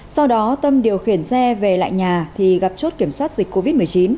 sau đó tâm điều khiển xe về lại nhà thì gặp chốt kiểm soát dịch covid một mươi chín